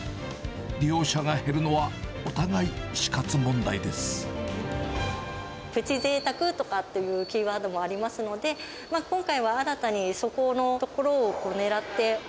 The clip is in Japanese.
利用者が減るのは、お互い死活問プチぜいたくとかっていうキーワードもありますので、今回は新たにそこのところをねらって。